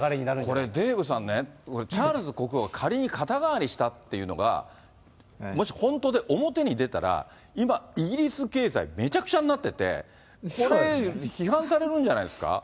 これ、デーブさんね、これ、チャールズ国王が仮に肩代わりしたっていうのが、もし本当で、表に出たら、今、イギリス経済、めちゃくちゃになってて、これ、批判されるんじゃないですか。